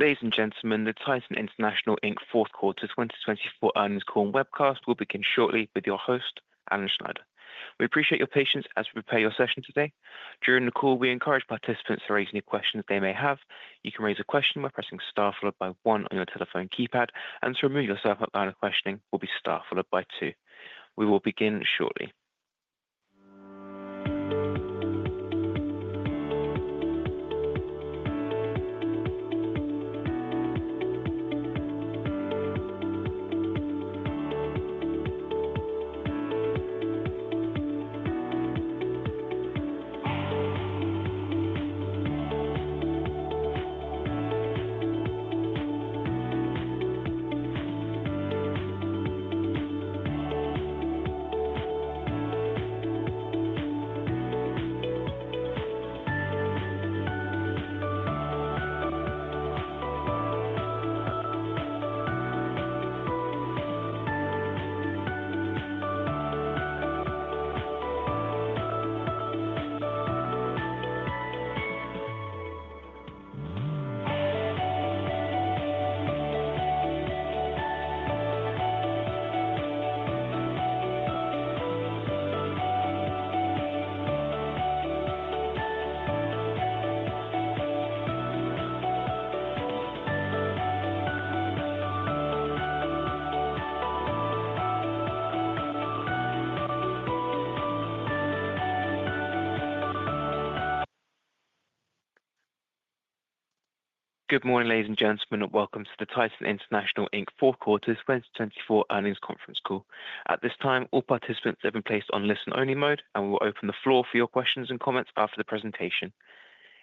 We appreciate your patience as we prepare your session today. During the call, we encourage participants to raise any questions they may have. You can raise a question by pressing star followed by one on your telephone keypad, and to remove yourself out of questioning will be star followed by two. We will begin shortly. Good morning, ladies and gentlemen, and welcome to the Titan International Inc Fourth Quarter 2024 Earnings Conference Call. At this time, all participants have been placed on listen-only mode, and we will open the floor for your questions and comments after the presentation.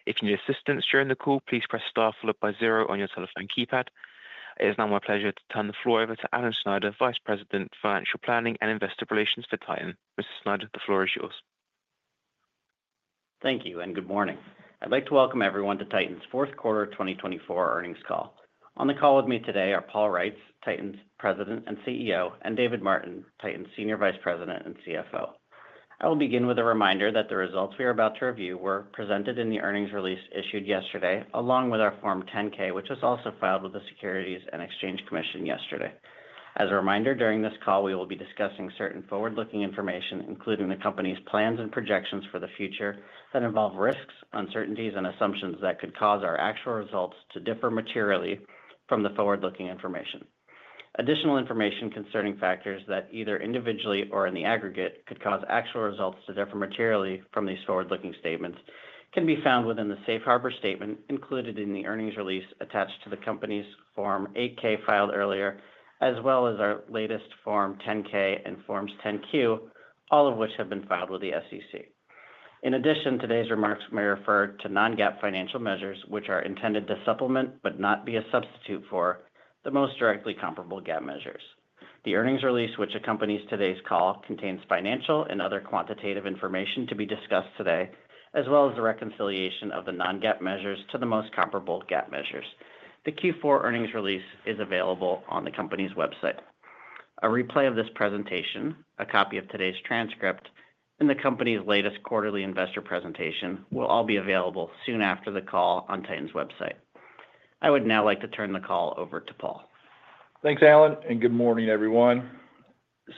If you need assistance during the call, please press star followed by zero on your telephone keypad. It is now my pleasure to turn the floor over to Alan Snyder, Vice President, Financial Planning and Investor Relations for Titan. Mr. Snyder, the floor is yours. Thank you and good morning. I'd like to welcome everyone to Titan's Fourth Quarter 2024 Earnings Call. On the call with me today are Paul Reitz, Titan's President and CEO, and David Martin, Titan's Senior Vice President and CFO. I will begin with a reminder that the results we are about to review were presented in the earnings release issued yesterday, along with our Form 10-K, which was also filed with the Securities and Exchange Commission yesterday. As a reminder, during this call, we will be discussing certain forward-looking information, including the company's plans and projections for the future that involve risks, uncertainties, and assumptions that could cause our actual results to differ materially from the forward-looking information. Additional information concerning factors that either individually or in the aggregate could cause actual results to differ materially from these forward-looking statements can be found within the Safe Harbor Statement included in the earnings release attached to the company's Form 8-K filed earlier, as well as our latest Form 10-K and Forms 10-Q, all of which have been filed with the SEC. In addition, today's remarks may refer to non-GAAP financial measures, which are intended to supplement but not be a substitute for the most directly comparable GAAP measures. The earnings release, which accompanies today's call, contains financial and other quantitative information to be discussed today, as well as the reconciliation of the non-GAAP measures to the most comparable GAAP measures. The Q4 earnings release is available on the company's website. A replay of this presentation, a copy of today's transcript, and the company's latest quarterly investor presentation will all be available soon after the call on Titan's website. I would now like to turn the call over to Paul. Thanks, Alan, and good morning, everyone.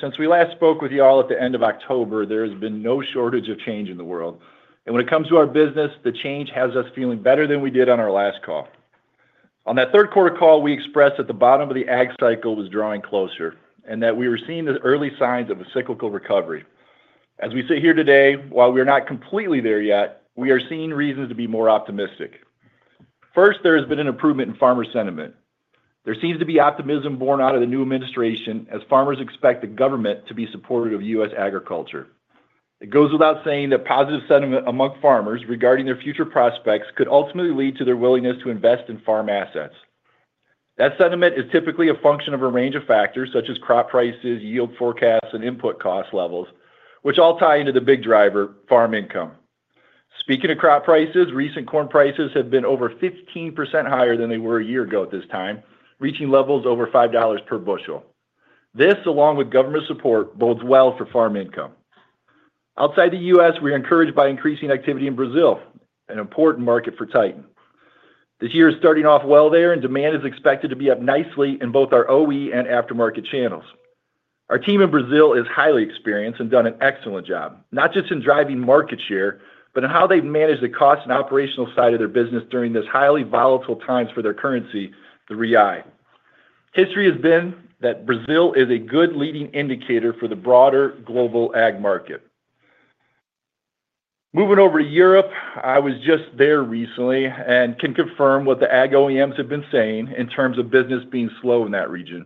Since we last spoke with you all at the end of October, there has been no shortage of change in the world. And when it comes to our business, the change has us feeling better than we did on our last call. On that third quarter call, we expressed at the bottom of the ag cycle was drawing closer and that we were seeing the early signs of a cyclical recovery. As we sit here today, while we are not completely there yet, we are seeing reasons to be more optimistic. First, there has been an improvement in farmer sentiment. There seems to be optimism borne out of the new administration as farmers expect the government to be supportive of U.S. agriculture. It goes without saying that positive sentiment among farmers regarding their future prospects could ultimately lead to their willingness to invest in farm assets. That sentiment is typically a function of a range of factors such as crop prices, yield forecasts, and input cost levels, which all tie into the big driver, farm income. Speaking of crop prices, recent corn prices have been over 15% higher than they were a year ago at this time, reaching levels over $5 per bushel. This, along with government support, bodes well for farm income. Outside the U.S., we are encouraged by increasing activity in Brazil, an important market for Titan. This year is starting off well there, and demand is expected to be up nicely in both our OE and aftermarket channels. Our team in Brazil is highly experienced and has done an excellent job, not just in driving market share, but in how they've managed the cost and operational side of their business during these highly volatile times for their currency, the real. History has been that Brazil is a good leading indicator for the broader global ag market. Moving over to Europe, I was just there recently and can confirm what the ag OEMs have been saying in terms of business being slow in that region.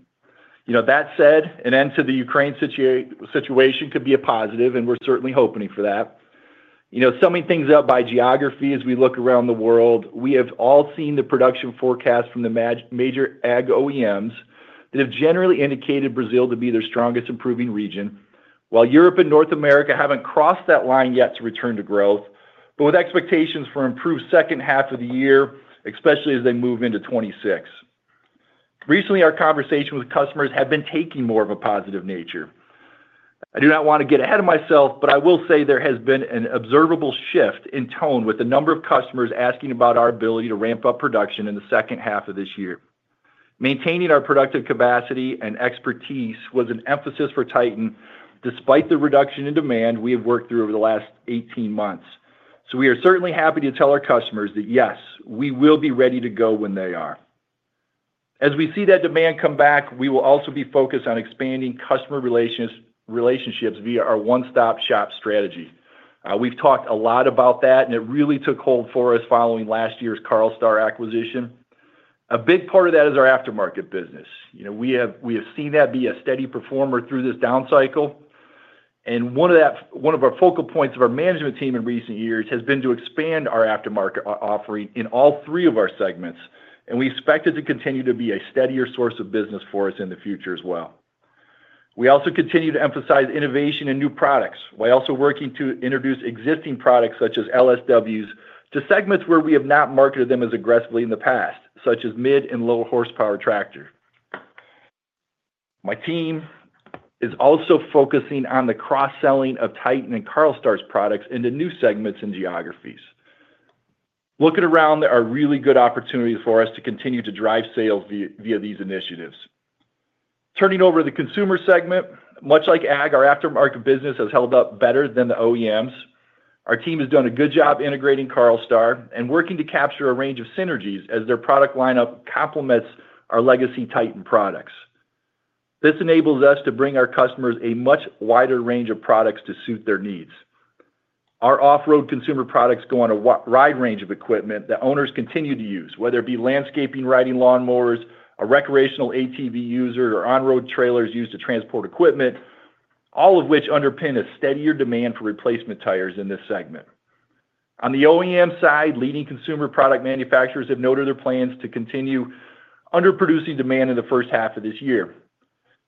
You know, that said, an end to the Ukraine situation could be a positive, and we're certainly hoping for that. You know, summing things up by geography as we look around the world, we have all seen the production forecast from the major ag OEMs that have generally indicated Brazil to be their strongest improving region, while Europe and North America haven't crossed that line yet to return to growth, but with expectations for an improved second half of the year, especially as they move into 2026. Recently, our conversations with customers have been taking more of a positive nature. I do not want to get ahead of myself, but I will say there has been an observable shift in tone with the number of customers asking about our ability to ramp up production in the second half of this year. Maintaining our productive capacity and expertise was an emphasis for Titan, despite the reduction in demand we have worked through over the last 18 months. We are certainly happy to tell our customers that, yes, we will be ready to go when they are. As we see that demand come back, we will also be focused on expanding customer relationships via our one-stop shop strategy. We've talked a lot about that, and it really took hold for us following last year's Carlstar acquisition. A big part of that is our aftermarket business. You know, we have seen that be a steady performer through this down cycle. And one of our focal points of our management team in recent years has been to expand our aftermarket offering in all three of our segments, and we expect it to continue to be a steadier source of business for us in the future as well. We also continue to emphasize innovation and new products while also working to introduce existing products such as LSWs to segments where we have not marketed them as aggressively in the past, such as mid and low-horsepower tractors. My team is also focusing on the cross-selling of Titan and Carlstar's products into new segments and geographies. Looking around, there are really good opportunities for us to continue to drive sales via these initiatives. Turning over to the consumer segment, much like ag, our aftermarket business has held up better than the OEMs. Our team has done a good job integrating Carlstar and working to capture a range of synergies as their product lineup complements our legacy Titan products. This enables us to bring our customers a much wider range of products to suit their needs. Our off-road consumer products go on a wide range of equipment that owners continue to use, whether it be landscaping, riding lawnmowers, a recreational ATV user, or on-road trailers used to transport equipment, all of which underpin a steadier demand for replacement tires in this segment. On the OEM side, leading consumer product manufacturers have noted their plans to continue underproducing demand in the first half of this year.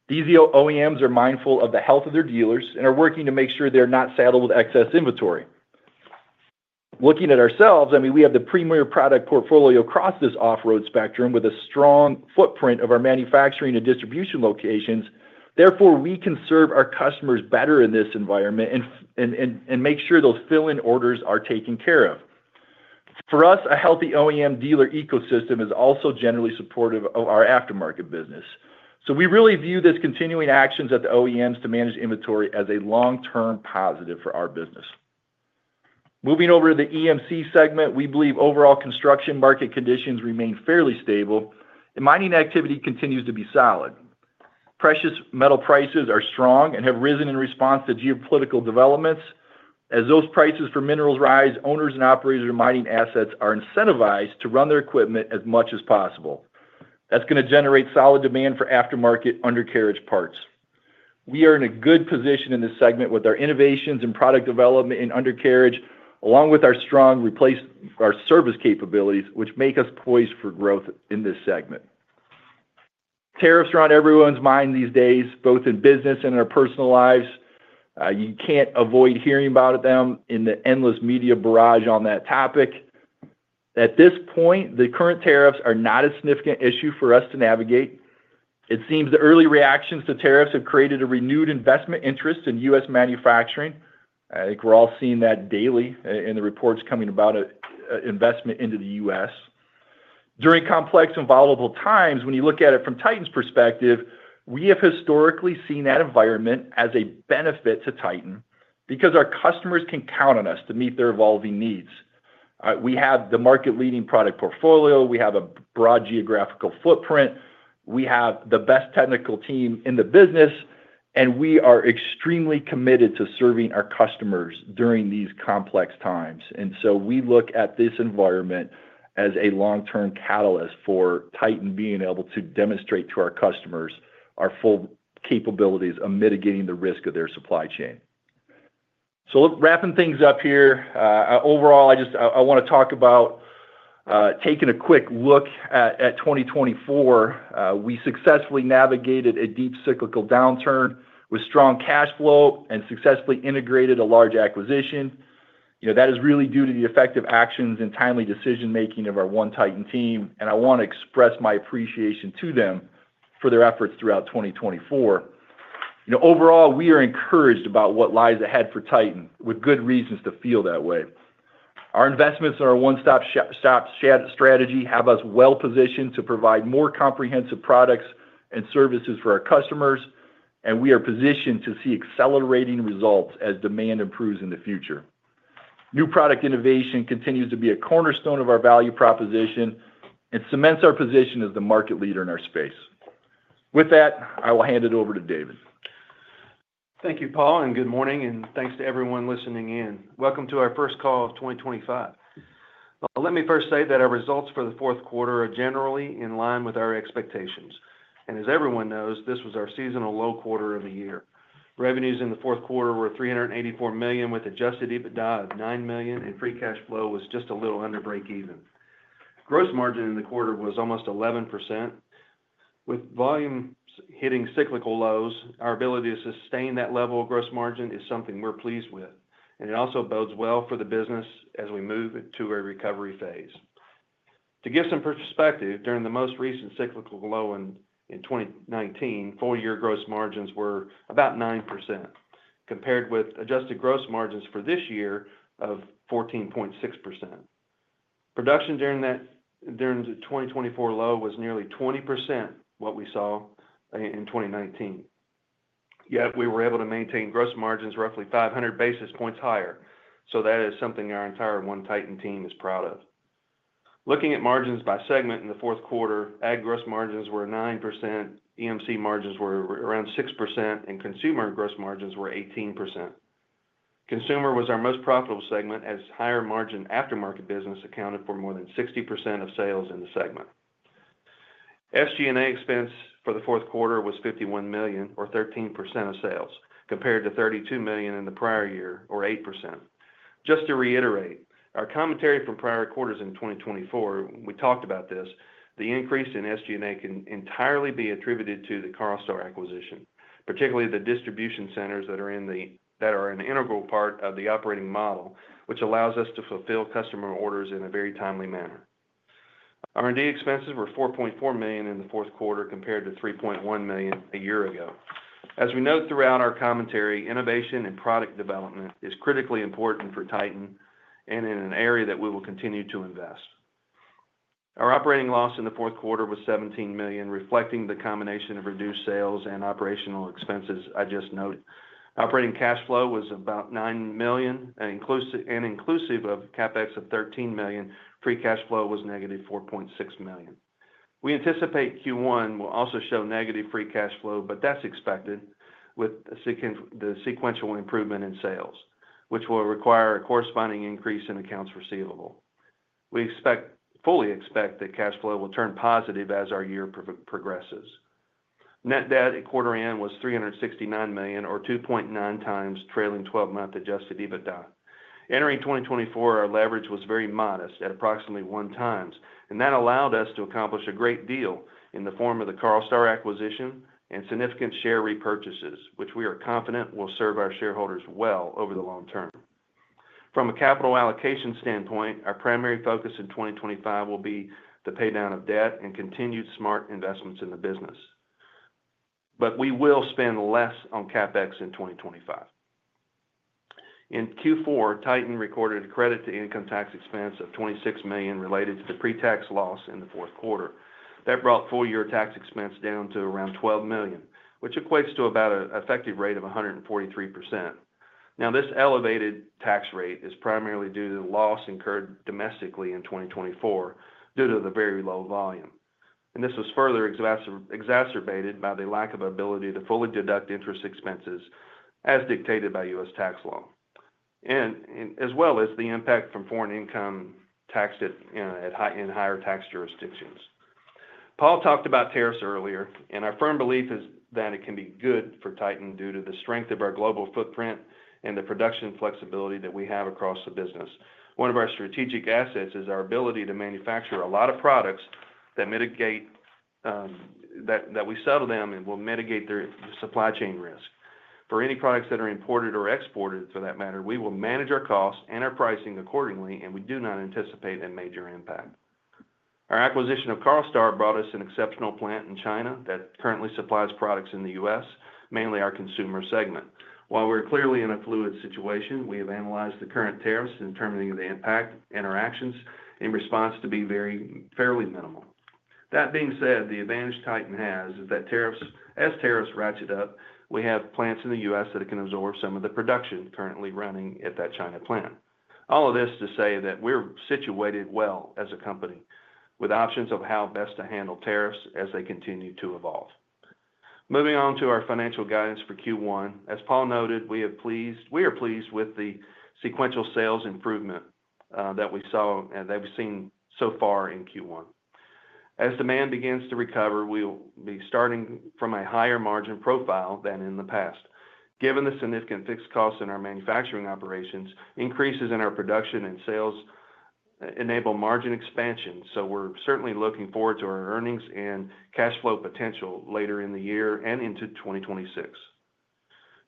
These OEMs are mindful of the health of their dealers and are working to make sure they're not saddled with excess inventory. Looking at ourselves, I mean, we have the premier product portfolio across this off-road spectrum with a strong footprint of our manufacturing and distribution locations. Therefore, we can serve our customers better in this environment and make sure those fill-in orders are taken care of. For us, a healthy OEM dealer ecosystem is also generally supportive of our aftermarket business. So we really view this continuing actions at the OEMs to manage inventory as a long-term positive for our business. Moving over to the EMC segment, we believe overall construction market conditions remain fairly stable, and mining activity continues to be solid. Precious metal prices are strong and have risen in response to geopolitical developments. As those prices for minerals rise, owners and operators of mining assets are incentivized to run their equipment as much as possible. That's going to generate solid demand for aftermarket undercarriage parts. We are in a good position in this segment with our innovations and product development in undercarriage, along with our strong service capabilities, which make us poised for growth in this segment. Tariffs are on everyone's mind these days, both in business and in our personal lives. You can't avoid hearing about them in the endless media barrage on that topic. At this point, the current tariffs are not a significant issue for us to navigate. It seems the early reactions to tariffs have created a renewed investment interest in U.S. manufacturing. I think we're all seeing that daily in the reports coming about an investment into the U.S. During complex and volatile times, when you look at it from Titan's perspective, we have historically seen that environment as a benefit to Titan because our customers can count on us to meet their evolving needs. We have the market-leading product portfolio. We have a broad geographical footprint. We have the best technical team in the business, and we are extremely committed to serving our customers during these complex times. And so we look at this environment as a long-term catalyst for Titan being able to demonstrate to our customers our full capabilities of mitigating the risk of their supply chain. So wrapping things up here, overall, I just want to talk about taking a quick look at 2024. We successfully navigated a deep cyclical downturn with strong cash flow and successfully integrated a large acquisition. You know, that is really due to the effective actions and timely decision-making of our One Titan team, and I want to express my appreciation to them for their efforts throughout 2024. You know, overall, we are encouraged about what lies ahead for Titan, with good reasons to feel that way. Our investments in our one-stop shop strategy have us well-positioned to provide more comprehensive products and services for our customers, and we are positioned to see accelerating results as demand improves in the future. New product innovation continues to be a cornerstone of our value proposition and cements our position as the market leader in our space. With that, I will hand it over to David. Thank you, Paul, and good morning, and thanks to everyone listening in. Welcome to our first call of 2025. Let me first say that our results for the fourth quarter are generally in line with our expectations, and as everyone knows, this was our seasonal low quarter of the year. Revenues in the fourth quarter were $384 million, with Adjusted EBITDA of $9 million, and Free Cash Flow was just a little under break-even. Gross Margin in the quarter was almost 11%. With volumes hitting cyclical lows, our ability to sustain that level of Gross Margin is something we're pleased with, and it also bodes well for the business as we move into a recovery phase. To give some perspective, during the most recent cyclical low in 2019, four-year gross margins were about 9%, compared with adjusted gross margins for this year of 14.6%. Production during that 2024 low was nearly 20% what we saw in 2019. Yet, we were able to maintain gross margins roughly 500 basis points higher, so that is something our entire One Titan team is proud of. Looking at margins by segment in the fourth quarter, ag gross margins were 9%, EMC margins were around 6%, and consumer gross margins were 18%. Consumer was our most profitable segment, as higher margin aftermarket business accounted for more than 60% of sales in the segment. SG&A expense for the fourth quarter was $51 million, or 13% of sales, compared to $32 million in the prior year, or 8%. Just to reiterate, our commentary from prior quarters in 2024, we talked about this. The increase in SG&A can entirely be attributed to the Carlstar acquisition, particularly the distribution centers that are an integral part of the operating model, which allows us to fulfill customer orders in a very timely manner. R&D expenses were $4.4 million in the fourth quarter, compared to $3.1 million a year ago. As we note throughout our commentary, innovation and product development is critically important for Titan and in an area that we will continue to invest. Our operating loss in the fourth quarter was $17 million, reflecting the combination of reduced sales and operational expenses I just noted. Operating cash flow was about $9 million, and inclusive of CapEx of $13 million, free cash flow was -$4.6 million. We anticipate Q1 will also show negative free cash flow, but that's expected with the sequential improvement in sales, which will require a corresponding increase in accounts receivable. We fully expect that cash flow will turn positive as our year progresses. Net debt at quarter end was $369 million, or 2.9 times trailing 12-month Adjusted EBITDA. Entering 2024, our leverage was very modest at approximately one times, and that allowed us to accomplish a great deal in the form of the Carlstar acquisition and significant share repurchases, which we are confident will serve our shareholders well over the long term. From a capital allocation standpoint, our primary focus in 2025 will be the paydown of debt and continued smart investments in the business. But we will spend less on CapEx in 2025. In Q4, Titan recorded a credit to income tax expense of $26 million related to the pre-tax loss in the fourth quarter. That brought full-year tax expense down to around $12 million, which equates to about an effective rate of 143%. Now, this elevated tax rate is primarily due to the loss incurred domestically in 2024 due to the very low volume, and this was further exacerbated by the lack of ability to fully deduct interest expenses, as dictated by U.S. tax law, as well as the impact from foreign income taxed in higher tax jurisdictions. Paul talked about tariffs earlier, and our firm belief is that it can be good for Titan due to the strength of our global footprint and the production flexibility that we have across the business. One of our strategic assets is our ability to manufacture a lot of products that we sell to them and will mitigate their supply chain risk. For any products that are imported or exported, for that matter, we will manage our costs and our pricing accordingly, and we do not anticipate a major impact. Our acquisition of Carlstar brought us an exceptional plant in China that currently supplies products in the U.S., mainly our consumer segment. While we're clearly in a fluid situation, we have analyzed the current tariffs and determined the impact of interactions in response to be very fairly minimal. That being said, the advantage Titan has is that as tariffs ratchet up, we have plants in the U.S. that can absorb some of the production currently running at that China plant. All of this to say that we're situated well as a company with options of how best to handle tariffs as they continue to evolve. Moving on to our financial guidance for Q1, as Paul noted, we are pleased with the sequential sales improvement that we saw and that we've seen so far in Q1. As demand begins to recover, we will be starting from a higher margin profile than in the past. Given the significant fixed costs in our manufacturing operations, increases in our production and sales enable margin expansion, so we're certainly looking forward to our earnings and cash flow potential later in the year and into 2026.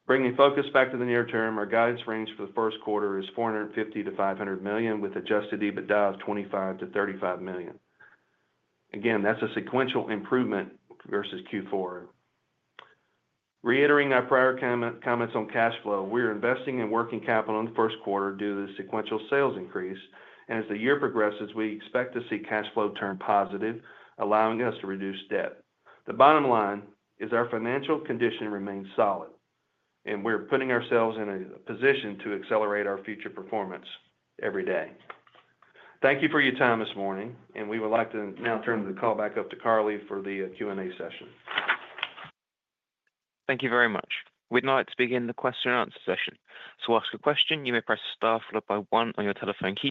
Bringing focus back to the near term, our guidance range for the first quarter is $450 million-$500 million with Adjusted EBITDA of $25 million-$35 million. Again, that's a sequential improvement versus Q4. Reiterating our prior comments on cash flow, we are investing in working capital in the first quarter due to the sequential sales increase, and as the year progresses, we expect to see cash flow turn positive, allowing us to reduce debt. The bottom line is our financial condition remains solid, and we're putting ourselves in a position to accelerate our future performance every day. Thank you for your time this morning, and we would like to now turn the call back up to Carly for the Q&A session. Thank you very much. We'd now like to begin the question-and-answer session. To ask a question, you may press star followed by one on your telephone key.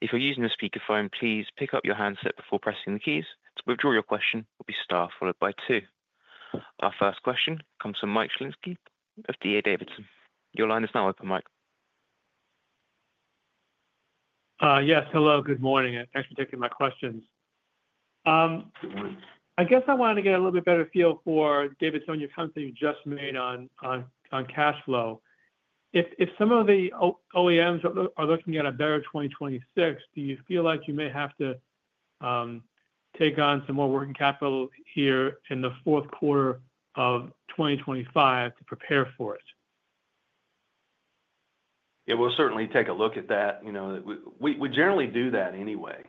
If you're using a speakerphone, please pick up your handset before pressing the keys. To withdraw your question will be star followed by two. Our first question comes from Mike Shlisky of D.A. Davidson. Your line is now open, Mike. Yes, hello, good morning. Thanks for taking my questions. I guess I wanted to get a little bit better feel for Davidson on your comment that you just made on cash flow. If some of the OEMs are looking at a better 2026, do you feel like you may have to take on some more working capital here in the fourth quarter of 2025 to prepare for it? Yeah, we'll certainly take a look at that. You know, we generally do that anyway.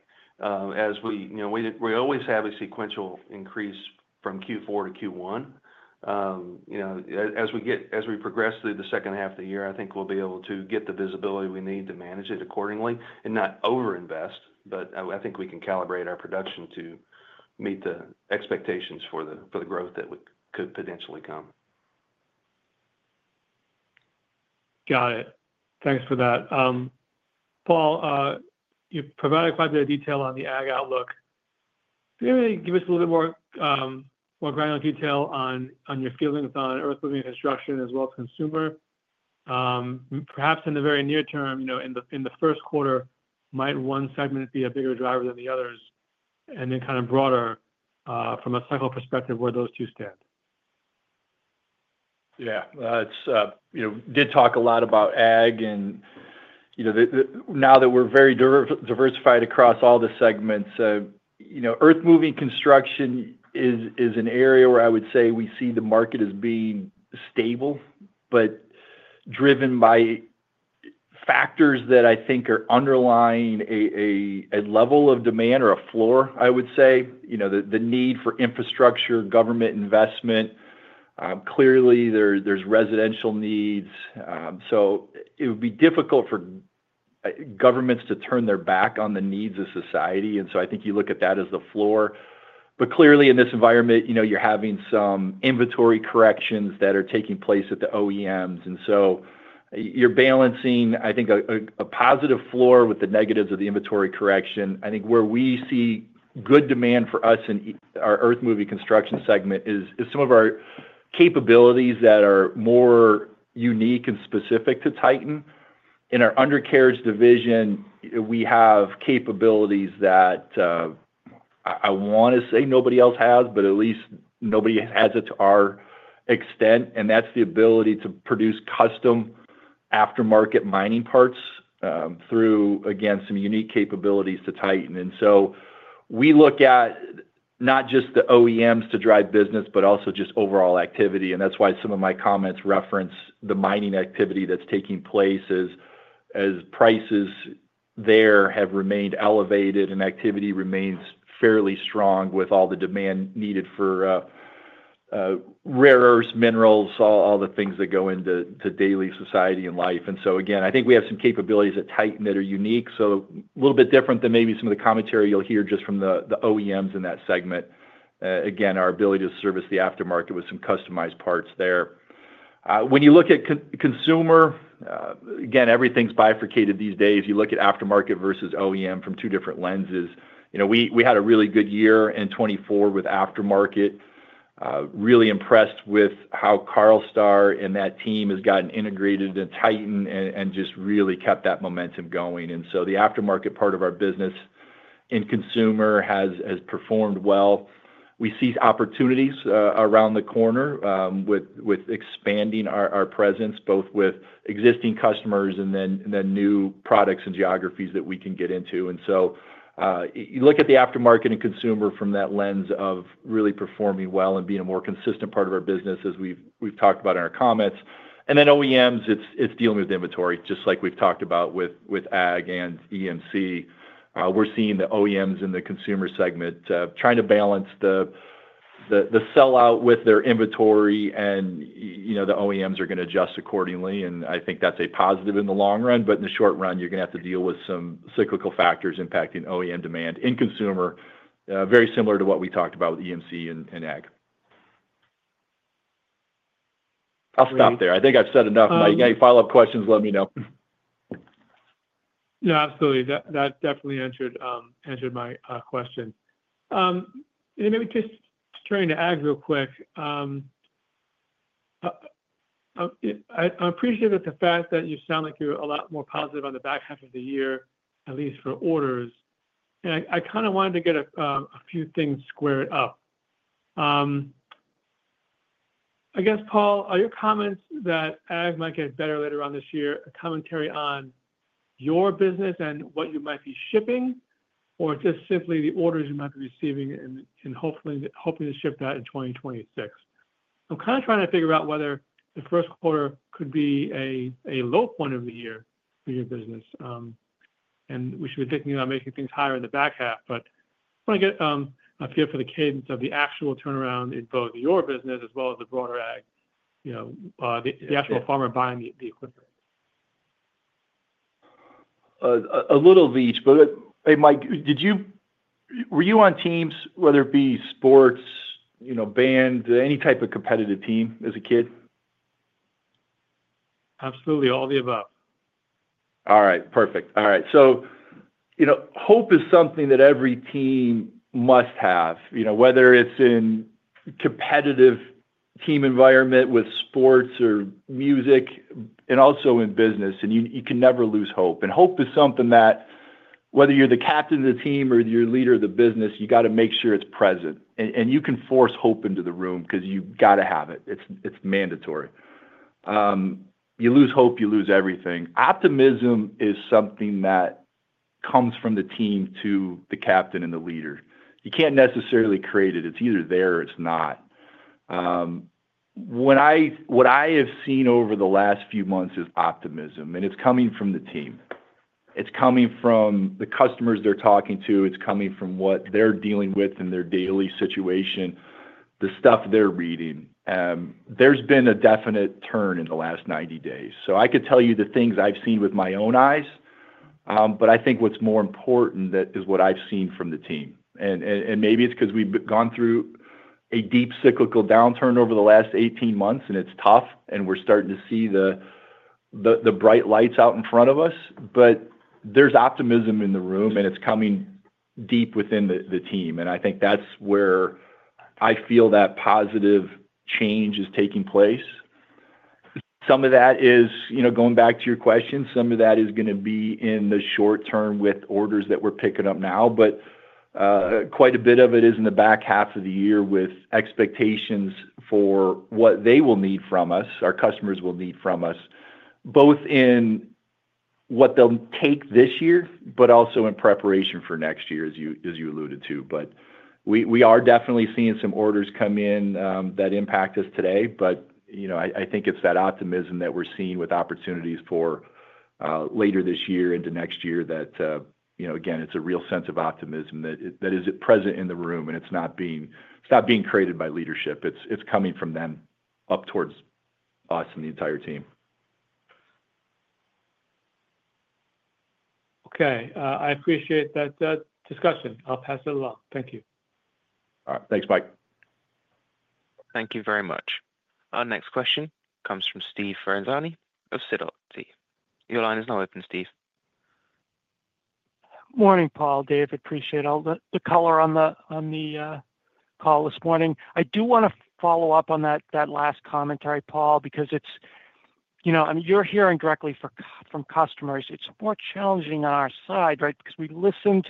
As we always have a sequential increase from Q4 to Q1. You know, as we progress through the second half of the year, I think we'll be able to get the visibility we need to manage it accordingly and not overinvest, but I think we can calibrate our production to meet the expectations for the growth that could potentially come. Got it. Thanks for that. Paul, you provided quite a bit of detail on the ag outlook. Can you give us a little bit more granular detail on your feelings on earth-moving construction as well as consumer? Perhaps in the very near term, you know, in the first quarter, might one segment be a bigger driver than the others? And then kind of broader from a cycle perspective, where do those two stand? Yeah, you know, we did talk a lot about ag, and you know, now that we're very diversified across all the segments, you know, earth-moving construction is an area where I would say we see the market as being stable, but driven by factors that I think are underlying a level of demand or a floor, I would say. You know, the need for infrastructure, government investment. Clearly, there's residential needs. So it would be difficult for governments to turn their back on the needs of society. And so I think you look at that as the floor. But clearly, in this environment, you know, you're having some inventory corrections that are taking place at the OEMs. And so you're balancing, I think, a positive floor with the negatives of the inventory correction. I think where we see good demand for us in our earth-moving construction segment is some of our capabilities that are more unique and specific to Titan. In our undercarriage division, we have capabilities that I want to say nobody else has, but at least nobody has it to our extent. And that's the ability to produce custom aftermarket mining parts through, again, some unique capabilities to Titan. And so we look at not just the OEMs to drive business, but also just overall activity. And that's why some of my comments reference the mining activity that's taking place as prices there have remained elevated and activity remains fairly strong with all the demand needed for rare earths, minerals, all the things that go into daily society and life. And so, again, I think we have some capabilities at Titan that are unique. So a little bit different than maybe some of the commentary you'll hear just from the OEMs in that segment. Again, our ability to service the aftermarket with some customized parts there. When you look at consumer, again, everything's bifurcated these days. You look at aftermarket versus OEM from two different lenses. You know, we had a really good year in 2024 with aftermarket. Really impressed with how Carlstar and that team has gotten integrated in Titan and just really kept that momentum going. And so the aftermarket part of our business in consumer has performed well. We see opportunities around the corner with expanding our presence, both with existing customers and then new products and geographies that we can get into. And so you look at the aftermarket and consumer from that lens of really performing well and being a more consistent part of our business, as we've talked about in our comments. And then OEMs, it's dealing with inventory, just like we've talked about with ag and EMC. We're seeing the OEMs in the consumer segment trying to balance the sellout with their inventory. And, you know, the OEMs are going to adjust accordingly. And I think that's a positive in the long run. But in the short run, you're going to have to deal with some cyclical factors impacting OEM demand in consumer, very similar to what we talked about with EMC and ag. I'll stop there. I think I've said enough. If you got any follow-up questions, let me know. Yeah, absolutely. That definitely answered my question, and maybe just turning to ag real quick. I appreciate the fact that you sound like you're a lot more positive on the back half of the year, at least for orders, and I kind of wanted to get a few things squared up. I guess, Paul, are your comments that ag might get better later on this year, commentary on your business and what you might be shipping, or just simply the orders you might be receiving and hopefully ship that in 2026? I'm kind of trying to figure out whether the first quarter could be a low point of the year for your business, and we should be thinking about making things higher in the back half. But I want to get a feel for the cadence of the actual turnaround in both your business as well as the broader ag, you know, the actual farmer buying the equipment. A little of each. But Mike, were you on teams, whether it be sports, you know, band, any type of competitive team as a kid? Absolutely. All the above. All right. Perfect. All right. So, you know, hope is something that every team must have, you know, whether it's in a competitive team environment with sports or music and also in business. And you can never lose hope. And hope is something that, whether you're the captain of the team or you're the leader of the business, you got to make sure it's present. And you can force hope into the room because you've got to have it. It's mandatory. You lose hope, you lose everything. Optimism is something that comes from the team to the captain and the leader. You can't necessarily create it. It's either there or it's not. What I have seen over the last few months is optimism. And it's coming from the team. It's coming from the customers they're talking to. It's coming from what they're dealing with in their daily situation, the stuff they're reading. There's been a definite turn in the last 90 days. So I could tell you the things I've seen with my own eyes. But I think what's more important is what I've seen from the team. And maybe it's because we've gone through a deep cyclical downturn over the last 18 months, and it's tough, and we're starting to see the bright lights out in front of us. But there's optimism in the room, and it's coming deep within the team. And I think that's where I feel that positive change is taking place. Some of that is, you know, going back to your question, some of that is going to be in the short term with orders that we're picking up now. But quite a bit of it is in the back half of the year with expectations for what they will need from us, our customers will need from us, both in what they'll take this year, but also in preparation for next year, as you alluded to. But we are definitely seeing some orders come in that impact us today. But, you know, I think it's that optimism that we're seeing with opportunities for later this year, into next year, that, you know, again, it's a real sense of optimism that is present in the room, and it's not being created by leadership. It's coming from them up towards us and the entire team. Okay. I appreciate that discussion. I'll pass it along. Thank you. All right. Thanks, Mike. Thank you very much. Our next question comes from Steve Ferazani of Sidoti. Your line is now open, Steve. Morning, Paul. Dave, I appreciate the color on the call this morning. I do want to follow up on that last commentary, Paul, because it's, you know, you're hearing directly from customers. It's more challenging on our side, right, because we listened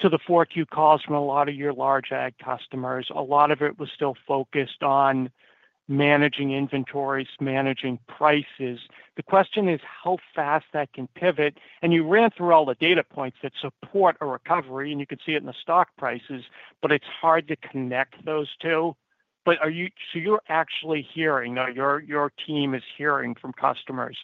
to the 4Q calls from a lot of your large ag customers. A lot of it was still focused on managing inventories, managing prices. The question is how fast that can pivot, and you ran through all the data points that support a recovery, and you can see it in the stock prices, but it's hard to connect those two, but are you, so you're actually hearing, or your team is hearing from customers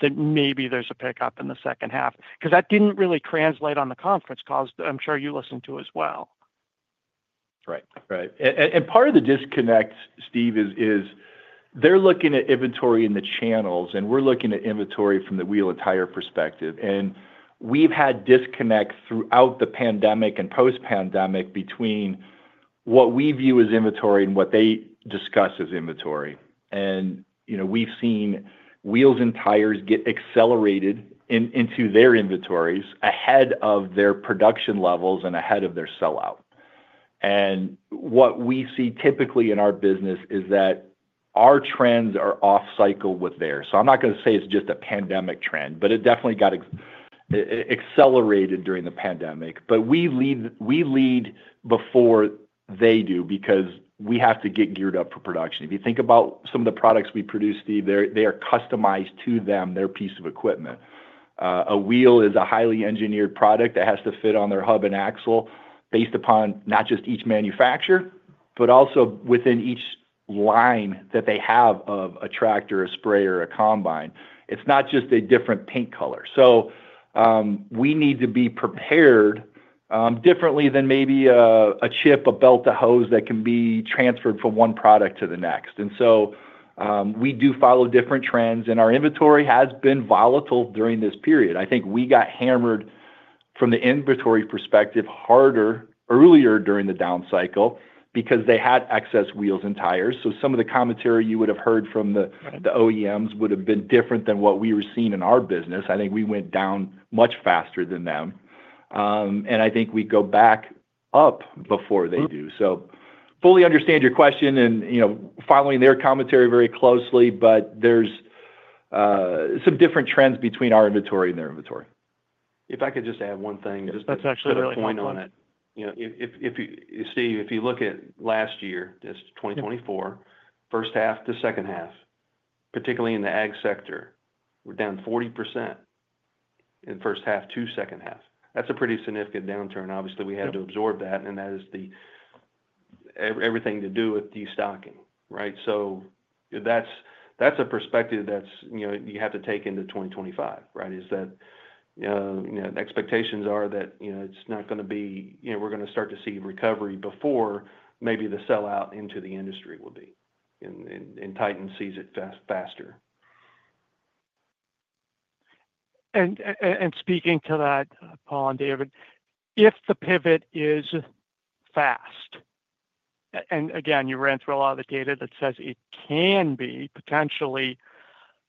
that maybe there's a pickup in the second half? Because that didn't really translate on the conference calls that I'm sure you listened to as well. Right, right. And part of the disconnect, Steve, is they're looking at inventory in the channels, and we're looking at inventory from the wheel and tire perspective. And we've had disconnect throughout the pandemic and post-pandemic between what we view as inventory and what they discuss as inventory. And, you know, we've seen wheels and tires get accelerated into their inventories ahead of their production levels and ahead of their sellout. And what we see typically in our business is that our trends are off-cycle with theirs. So I'm not going to say it's just a pandemic trend, but it definitely got accelerated during the pandemic. But we lead before they do because we have to get geared up for production. If you think about some of the products we produce, Steve, they are customized to them, their piece of equipment. A wheel is a highly engineered product that has to fit on their hub and axle based upon not just each manufacturer, but also within each line that they have of a tractor, a sprayer, a combine. It's not just a different paint color. So we need to be prepared differently than maybe a chip, a belt, a hose that can be transferred from one product to the next. And so we do follow different trends. And our inventory has been volatile during this period. I think we got hammered from the inventory perspective harder earlier during the down cycle because they had excess wheels and tires. So some of the commentary you would have heard from the OEMs would have been different than what we were seeing in our business. I think we went down much faster than them. And I think we go back up before they do. So I fully understand your question and, you know, following their commentary very closely, but there's some different trends between our inventory and their inventory. If I could just add one thing, just to put a point on it. You know, Steve, if you look at last year, just 2024, first half to second half, particularly in the ag sector, we're down 40% in the first half to second half. That's a pretty significant downturn. Obviously, we had to absorb that, and that is everything to do with destocking, right? So that's a perspective that's, you know, you have to take into 2025, right, is that, you know, expectations are that, you know, it's not going to be, you know, we're going to start to see recovery before maybe the sellout into the industry will be. And Titan sees it faster. And speaking to that, Paul and David, if the pivot is fast, and again, you ran through a lot of the data that says it can be potentially,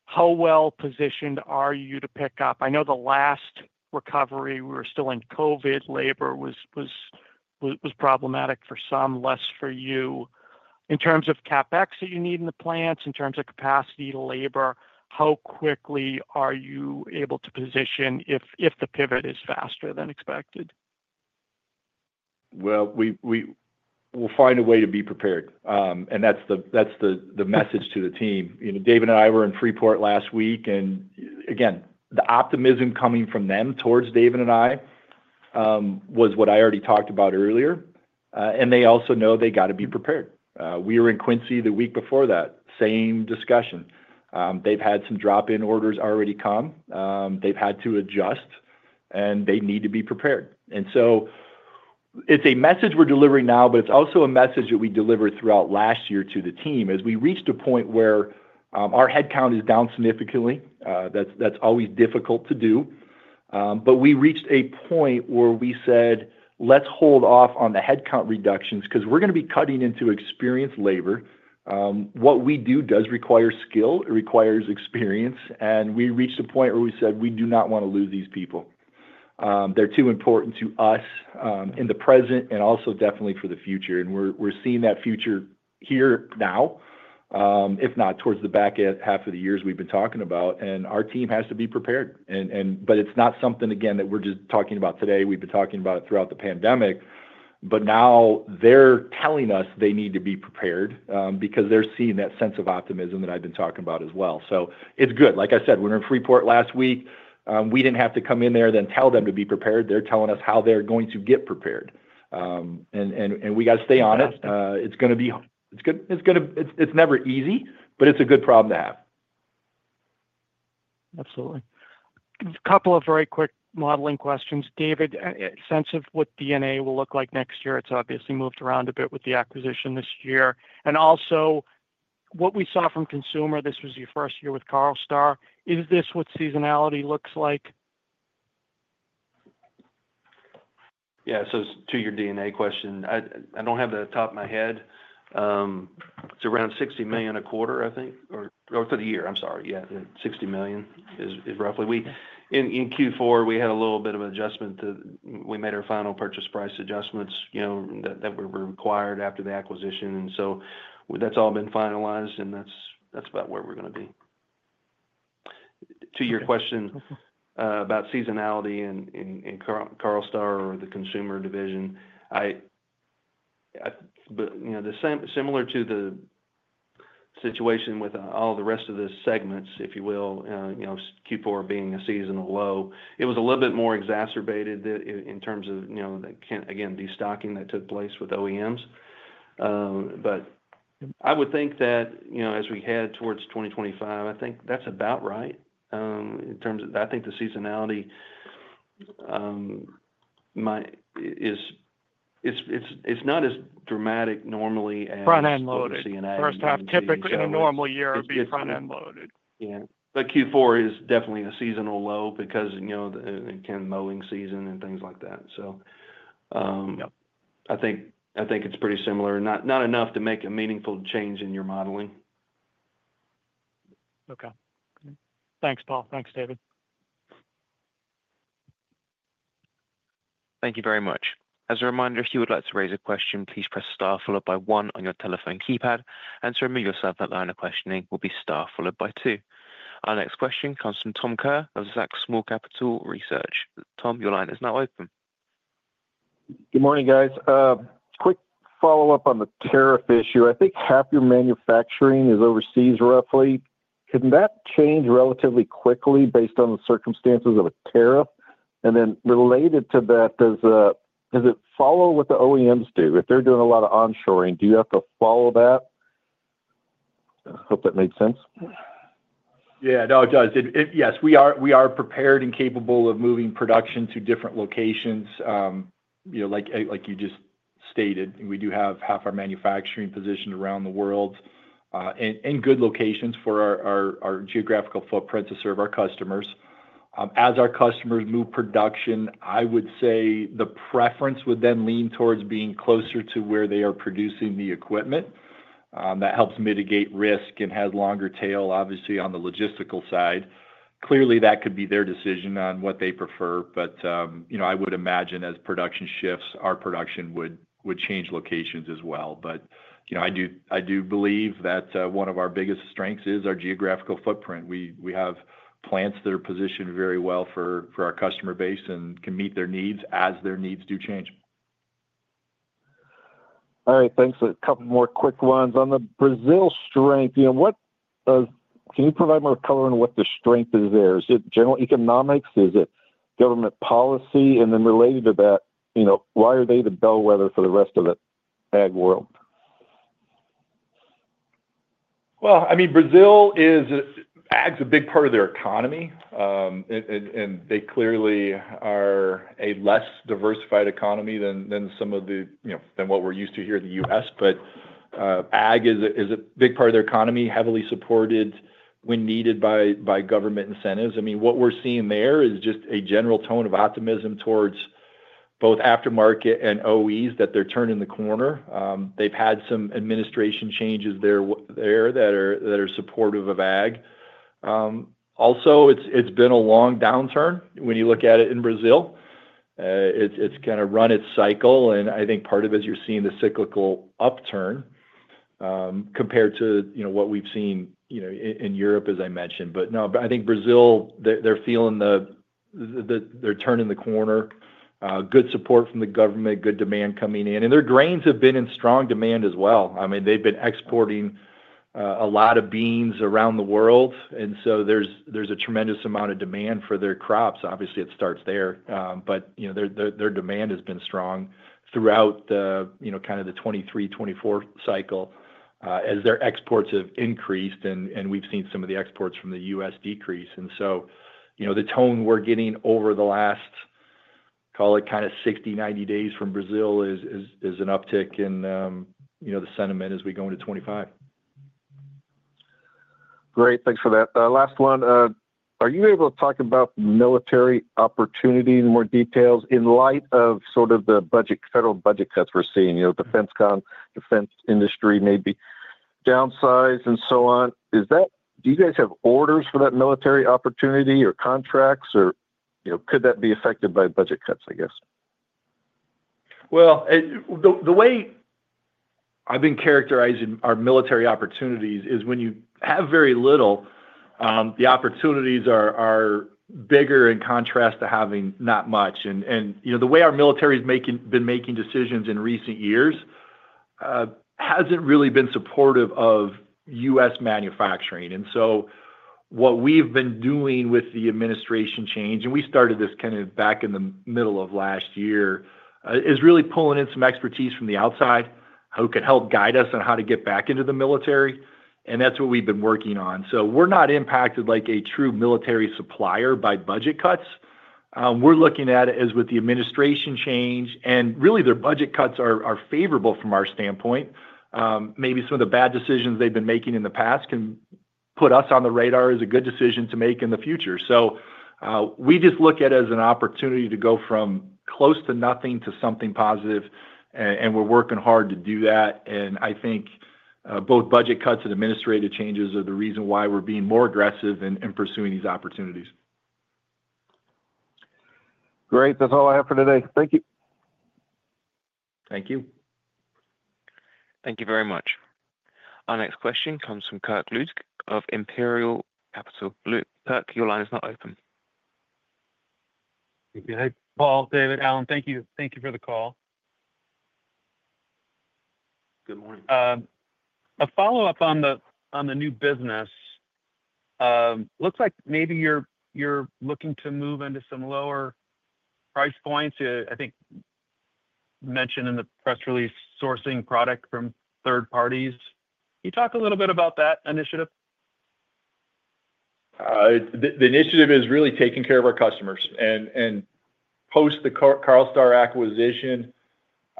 how well positioned are you to pick up? I know the last recovery, we were still in COVID, labor was problematic for some, less for you. In terms of CapEx that you need in the plants, in terms of capacity to labor, how quickly are you able to position if the pivot is faster than expected? We'll find a way to be prepared. That's the message to the team. You know, David and I were in Freeport last week. Again, the optimism coming from them towards David and I was what I already talked about earlier. They also know they got to be prepared. We were in Quincy the week before that, same discussion. They've had some drop-in orders already come. They've had to adjust, and they need to be prepared. It's a message we're delivering now, but it's also a message that we delivered throughout last year to the team as we reached a point where our headcount is down significantly. That's always difficult to do. We reached a point where we said, let's hold off on the headcount reductions because we're going to be cutting into experienced labor. What we do does require skill. It requires experience. And we reached a point where we said, we do not want to lose these people. They're too important to us in the present and also definitely for the future. And we're seeing that future here now, if not towards the back half of the years we've been talking about. And our team has to be prepared. But it's not something, again, that we're just talking about today. We've been talking about it throughout the pandemic. But now they're telling us they need to be prepared because they're seeing that sense of optimism that I've been talking about as well. So it's good. Like I said, we were in Freeport last week. We didn't have to come in there and then tell them to be prepared. They're telling us how they're going to get prepared. And we got to stay on it. It's going to be, it's never easy, but it's a good problem to have. Absolutely. A couple of very quick modeling questions. David, a sense of what EBITDA will look like next year. It's obviously moved around a bit with the acquisition this year. And also what we saw from consumer, this was your first year with Carlstar. Is this what seasonality looks like? Yeah. So to your D&A question, I don't have that at the top of my head. It's around $60 million a quarter, I think, or for the year. I'm sorry. Yeah, $60 million is roughly. In Q4, we had a little bit of adjustment. We made our final purchase price adjustments, you know, that were required after the acquisition. And so that's all been finalized, and that's about where we're going to be. To your question about seasonality and Carlstar or the consumer division, but, you know, similar to the situation with all the rest of the segments, if you will, you know, Q4 being a seasonal low, it was a little bit more exacerbated in terms of, you know, again, destocking that took place with OEMs. But I would think that, you know, as we head towards 2025, I think that's about right in terms of, I think the seasonality is not as dramatic normally as. Front-end loaded seasonality. First half typically in a normal year would be front-end loaded. Yeah. But Q4 is definitely a seasonal low because, you know, again, mowing season and things like that. So I think it's pretty similar, not enough to make a meaningful change in your modeling. Okay. Thanks, Paul. Thanks, David. Thank you very much. As a reminder, if you would like to raise a question, please press star followed by one on your telephone keypad, and to remove yourself, that line of questioning will be star followed by two. Our next question comes from Tom Kerr of Zacks Small Cap Research. Tom, your line is now open. Good morning, guys. Quick follow-up on the tariff issue. I think half your manufacturing is overseas roughly. Can that change relatively quickly based on the circumstances of a tariff? And then related to that, does it follow what the OEMs do? If they're doing a lot of onshoring, do you have to follow that? I hope that made sense. Yeah, no, it does. Yes, we are prepared and capable of moving production to different locations, you know, like you just stated. We do have half our manufacturing positioned around the world in good locations for our geographical footprint to serve our customers. As our customers move production, I would say the preference would then lean towards being closer to where they are producing the equipment. That helps mitigate risk and has longer tail, obviously, on the logistical side. Clearly, that could be their decision on what they prefer. But, you know, I would imagine as production shifts, our production would change locations as well. But, you know, I do believe that one of our biggest strengths is our geographical footprint. We have plants that are positioned very well for our customer base and can meet their needs as their needs do change. All right. Thanks. A couple more quick ones. On the Brazil strength, you know, can you provide more color on what the strength is there? Is it general economics? Is it government policy, and then related to that, you know, why are they the bellwether for the rest of the ag world? I mean, Brazil is ag is a big part of their economy, and they clearly are a less diversified economy than some of the, you know, than what we're used to here in the U.S. But ag is a big part of their economy, heavily supported when needed by government incentives. I mean, what we're seeing there is just a general tone of optimism towards both aftermarket and OEMs that they're turning the corner. They've had some administration changes there that are supportive of ag. Also, it's been a long downturn when you look at it in Brazil. It's kind of run its cycle. And I think part of it is you're seeing the cyclical upturn compared to, you know, what we've seen, you know, in Europe, as I mentioned. But no, I think Brazil, they're turning the corner. Good support from the government, good demand coming in. Their grains have been in strong demand as well. I mean, they've been exporting a lot of beans around the world, and so there's a tremendous amount of demand for their crops. Obviously, it starts there. But, you know, their demand has been strong throughout, you know, kind of the 2023, 2024 cycle as their exports have increased. We've seen some of the exports from the U.S. decrease, so, you know, the tone we're getting over the last, call it kind of 60, 90 days from Brazil is an uptick in, you know, the sentiment as we go into 2025. Great. Thanks for that. Last one. Are you able to talk about military opportunity in more details in light of sort of the budget, federal budget cuts we're seeing, you know, defense industry maybe downsize and so on? Is that, do you guys have orders for that military opportunity or contracts? Or, you know, could that be affected by budget cuts, I guess? The way I've been characterizing our military opportunities is when you have very little, the opportunities are bigger in contrast to having not much. And, you know, the way our military has been making decisions in recent years hasn't really been supportive of U.S. manufacturing. And so what we've been doing with the administration change, and we started this kind of back in the middle of last year, is really pulling in some expertise from the outside who can help guide us on how to get back into the military. And that's what we've been working on. So we're not impacted like a true military supplier by budget cuts. We're looking at it as with the administration change. And really, their budget cuts are favorable from our standpoint. Maybe some of the bad decisions they've been making in the past can put us on the radar as a good decision to make in the future. So we just look at it as an opportunity to go from close to nothing to something positive. And we're working hard to do that. And I think both budget cuts and administrative changes are the reason why we're being more aggressive in pursuing these opportunities. Great. That's all I have for today. Thank you. Thank you. Thank you very much. Our next question comes from Kirk Ludtke of Imperial Capital. Kirk, your line is not open. Hey, Paul, David, Alan, thank you. Thank you for the call. Good morning. A follow-up on the new business. Looks like maybe you're looking to move into some lower price points. I think you mentioned in the press release sourcing product from third parties. Can you talk a little bit about that initiative? The initiative is really taking care of our customers. And post the Carlstar acquisition,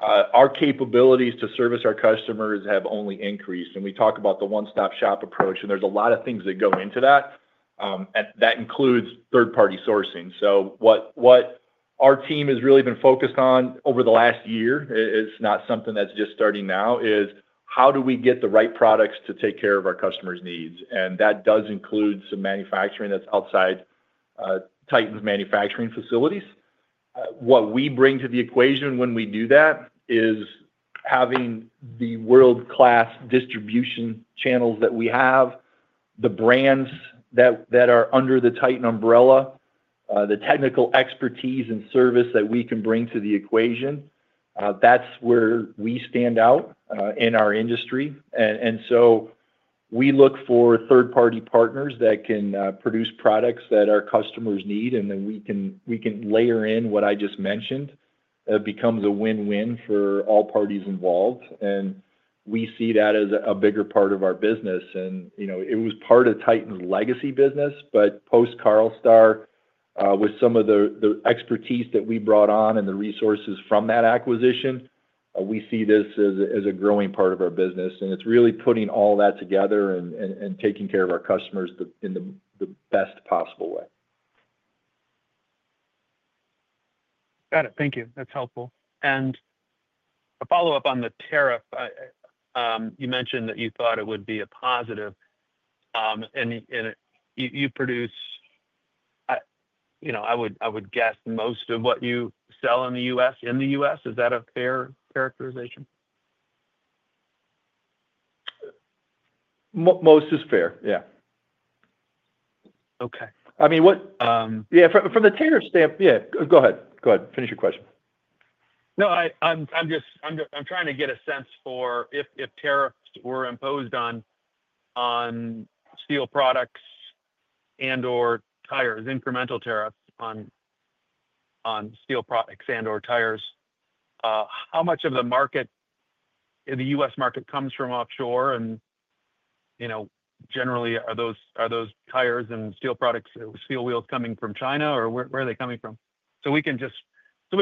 our capabilities to service our customers have only increased. And we talk about the one-stop shop approach, and there's a lot of things that go into that. And that includes third-party sourcing. So what our team has really been focused on over the last year, it's not something that's just starting now, is how do we get the right products to take care of our customers' needs? And that does include some manufacturing that's outside Titan's manufacturing facilities. What we bring to the equation when we do that is having the world-class distribution channels that we have, the brands that are under the Titan umbrella, the technical expertise and service that we can bring to the equation. That's where we stand out in our industry. And so we look for third-party partners that can produce products that our customers need. And then we can layer in what I just mentioned. It becomes a win-win for all parties involved. And we see that as a bigger part of our business. And, you know, it was part of Titan's legacy business. But post Carlstar, with some of the expertise that we brought on and the resources from that acquisition, we see this as a growing part of our business. And it's really putting all that together and taking care of our customers in the best possible way. Got it. Thank you. That's helpful. And a follow-up on the tariff. You mentioned that you thought it would be a positive. And you produce, you know, I would guess most of what you sell in the U.S., in the U.S. Is that a fair characterization? Most is fair. Yeah. Okay. I mean. Yeah, from the tariff standpoint. Yeah. Go ahead. Go ahead. Finish your question. No, I'm just, I'm trying to get a sense for if tariffs were imposed on steel products and/or tires, incremental tariffs on steel products and/or tires, how much of the market, the U.S. market, comes from offshore? And you know, generally, are those tires and steel products, steel wheels coming from China, or where are they coming from? So we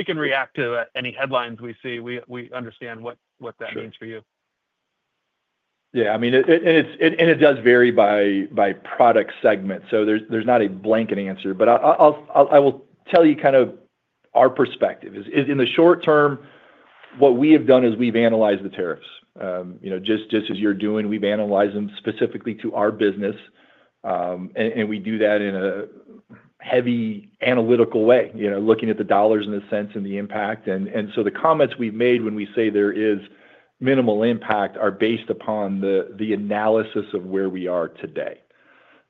can react to any headlines we see. We understand what that means for you. Yeah. I mean, and it does vary by product segment. So there's not a blanket answer. But I will tell you kind of our perspective. In the short term, what we have done is we've analyzed the tariffs, you know, just as you're doing. We've analyzed them specifically to our business. And we do that in a heavy analytical way, you know, looking at the dollars in a sense and the impact. And so the comments we've made when we say there is minimal impact are based upon the analysis of where we are today.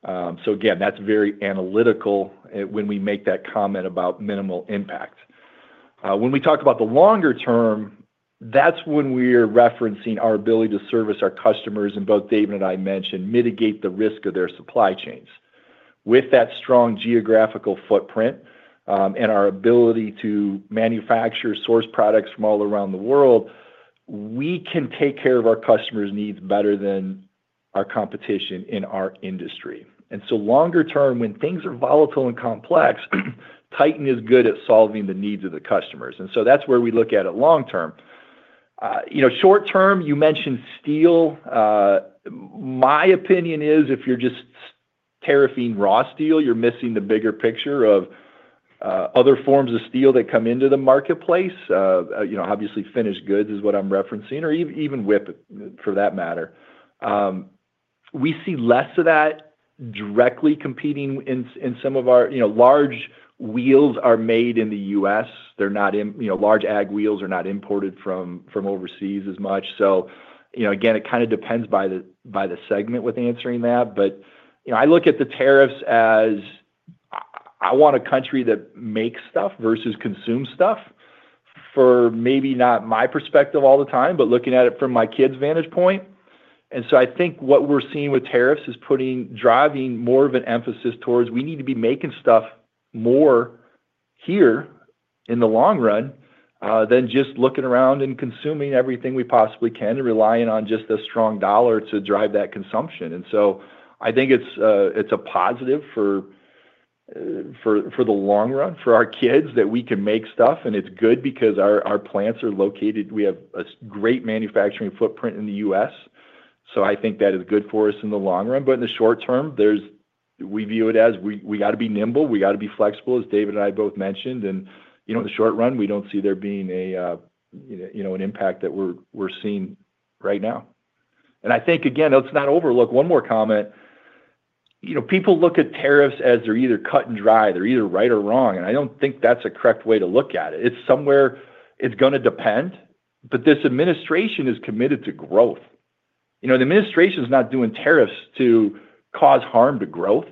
So again, that's very analytical when we make that comment about minimal impact. When we talk about the longer term, that's when we're referencing our ability to service our customers. And both David and I mentioned mitigate the risk of their supply chains. With that strong geographical footprint and our ability to manufacture source products from all around the world, we can take care of our customers' needs better than our competition in our industry, and so longer term, when things are volatile and complex, Titan is good at solving the needs of the customers, and so that's where we look at it long term. You know, short term, you mentioned steel. My opinion is if you're just tariffing raw steel, you're missing the bigger picture of other forms of steel that come into the marketplace. You know, obviously, finished goods is what I'm referencing, or even widget for that matter. We see less of that directly competing in some of our, you know, large wheels are made in the U.S. They're not, you know, large ag wheels are not imported from overseas as much. So, you know, again, it kind of depends, by the segment, with answering that, but you know, I look at the tariffs as I want a country that makes stuff versus consumes stuff for maybe not my perspective all the time, but looking at it from my kid's vantage point, and so I think what we're seeing with tariffs is driving more of an emphasis towards we need to be making stuff more here in the long run than just looking around and consuming everything we possibly can and relying on just a strong dollar to drive that consumption, and so I think it's a positive for the long run for our kids that we can make stuff, and it's good because our plants are located. We have a great manufacturing footprint in the U.S., so I think that is good for us in the long run. But in the short term, we view it as we got to be nimble. We got to be flexible, as David and I both mentioned. And, you know, in the short run, we don't see there being a, you know, an impact that we're seeing right now. And I think, again, let's not overlook one more comment. You know, people look at tariffs as they're either cut and dried. They're either right or wrong. And I don't think that's a correct way to look at it. It's somewhere it's going to depend. But this administration is committed to growth. You know, the administration is not doing tariffs to cause harm to growth.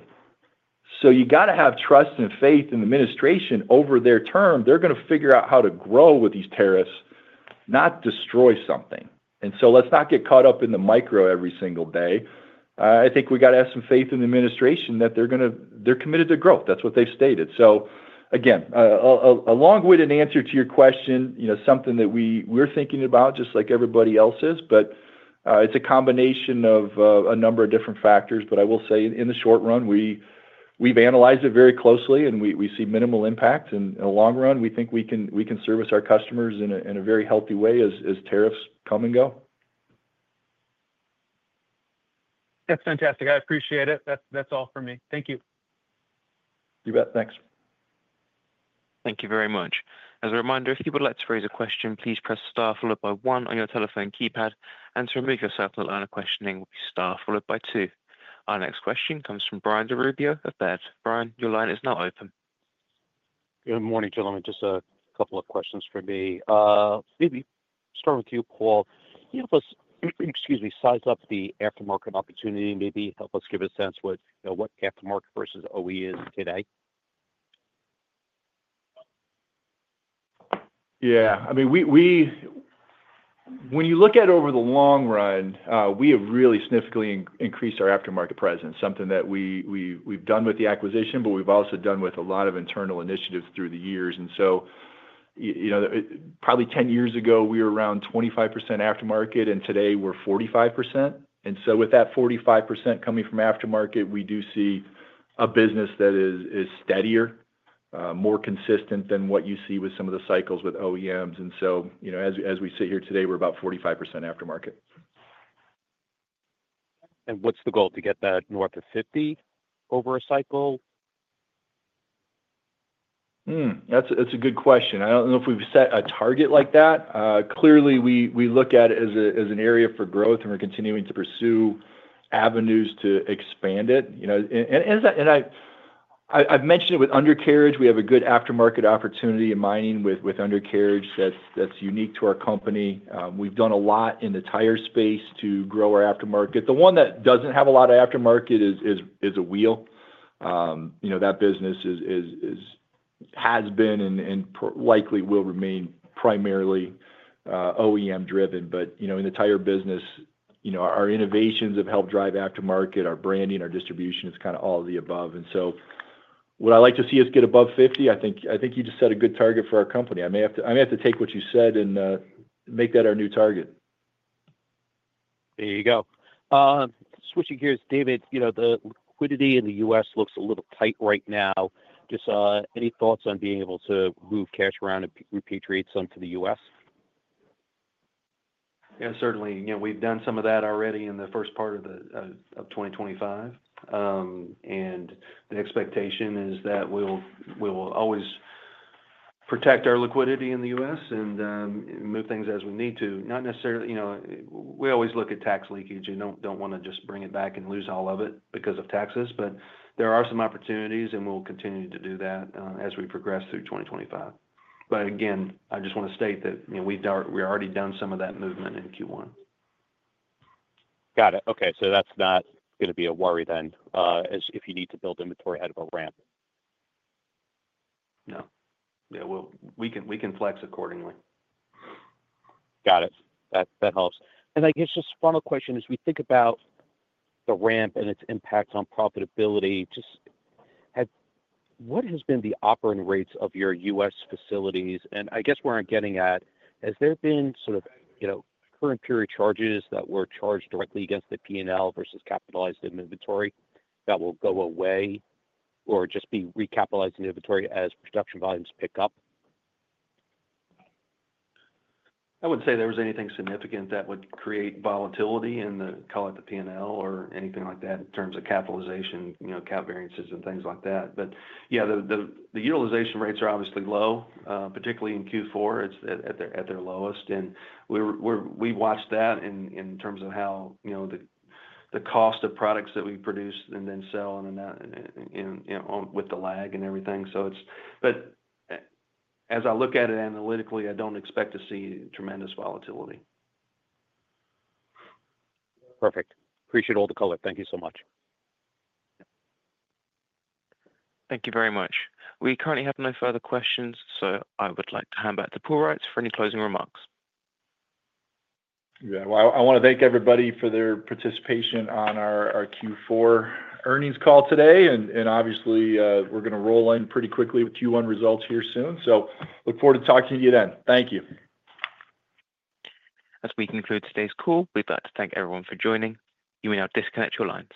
So you got to have trust and faith in the administration over their term. They're going to figure out how to grow with these tariffs, not destroy something. So let's not get caught up in the micro every single day. I think we got to have some faith in the administration that they're going to, they're committed to growth. That's what they've stated. So, again, a long-winded answer to your question, you know, something that we're thinking about just like everybody else is. But it's a combination of a number of different factors. But I will say in the short run, we've analyzed it very closely, and we see minimal impact. And in the long run, we think we can service our customers in a very healthy way as tariffs come and go. That's fantastic. I appreciate it. That's all for me. Thank you. You bet. Thanks. Thank you very much. As a reminder, if you would like to raise a question, please press star followed by one on your telephone keypad. And to remove yourself, the line of questioning will be star followed by two. Our next question comes from Brian DiRubbio of Baird. Brian, your line is now open. Good morning, gentlemen. Just a couple of questions for me. Maybe start with you, Paul. Can you help us, excuse me, size up the aftermarket opportunity? Maybe help us give a sense of what aftermarket versus OE is today? Yeah. I mean, when you look at over the long run, we have really significantly increased our aftermarket presence, something that we've done with the acquisition, but we've also done with a lot of internal initiatives through the years. And so, you know, probably 10 years ago, we were around 25% aftermarket, and today we're 45%. And so with that 45% coming from aftermarket, we do see a business that is steadier, more consistent than what you see with some of the cycles with OEMs. And so, you know, as we sit here today, we're about 45% aftermarket. What's the goal to get that north of 50 over a cycle? That's a good question. I don't know if we've set a target like that. Clearly, we look at it as an area for growth, and we're continuing to pursue avenues to expand it. You know, and I've mentioned it with Undercarriage. We have a good aftermarket opportunity in mining with Undercarriage that's unique to our company. We've done a lot in the tire space to grow our aftermarket. The one that doesn't have a lot of aftermarket is a wheel. You know, that business has been and likely will remain primarily OEM-driven. But, you know, in the tire business, you know, our innovations have helped drive aftermarket. Our branding, our distribution is kind of all of the above. And so what I'd like to see is get above 50. I think you just set a good target for our company. I may have to take what you said and make that our new target. There you go. Switching gears, David, you know, the liquidity in the U.S. looks a little tight right now. Just any thoughts on being able to move cash around and repatriate some to the U.S.? Yeah, certainly. You know, we've done some of that already in the first part of 2025, and the expectation is that we'll always protect our liquidity in the U.S. and move things as we need to. Not necessarily, you know, we always look at tax leakage and don't want to just bring it back and lose all of it because of taxes. But there are some opportunities, and we'll continue to do that as we progress through 2025. But again, I just want to state that, you know, we've already done some of that movement in Q1. Got it. Okay. So that's not going to be a worry then if you need to build inventory ahead of a ramp. No. Yeah, we can flex accordingly. Got it. That helps. And I guess just a final question is we think about the ramp and its impact on profitability. Just what has been the operating rates of your U.S. facilities? And I guess we're getting at, has there been sort of, you know, current period charges that were charged directly against the P&L versus capitalized in inventory that will go away or just be recapitalized in inventory as production volumes pick up? I wouldn't say there was anything significant that would create volatility in the, call it the P&L or anything like that in terms of capitalization, you know, cost variances and things like that. But yeah, the utilization rates are obviously low, particularly in Q4. They're at their lowest, and we watch that in terms of how, you know, the cost of products that we produce and then sell and with the lag and everything. So it's, but as I look at it analytically, I don't expect to see tremendous volatility. Perfect. Appreciate all the color. Thank you so much. Thank you very much. We currently have no further questions. So I would like to hand back to Paul Reitz for any closing remarks. Yeah. Well, I want to thank everybody for their participation on our Q4 earnings call today. And obviously, we're going to roll in pretty quickly with Q1 results here soon. So look forward to talking to you then. Thank you. As we conclude today's call, we'd like to thank everyone for joining. You may now disconnect your lines.